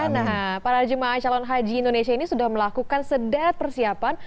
nah para jemaah calon haji indonesia ini sudah melakukan sederet persiapan